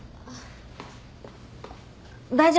大丈夫。